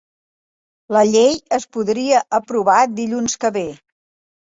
La llei es podria aprovar dilluns que ve